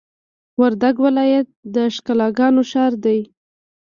وردګ ولایت د ښکلاګانو ښار دی!